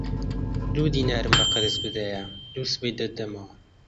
دوو دینارم بە قەرز بدەیە، دووسبەی دەتدەمەوە